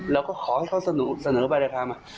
เราก็ขอให้เขาเสนอใบราคามา